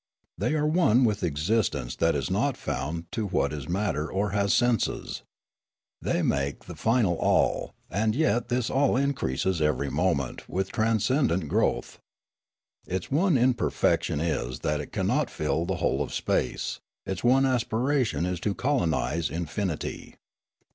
They are one with existence that is not bound to what is matter or has senses. The}' make the final all ; and yet this all increases every moment with transcendent growth. Its one imperfection is that it cannot fill the whole of space ; its one aspiration is to colonise infinity.